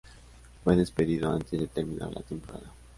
Fue despedido antes de terminar la temporada.